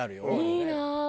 いいなー！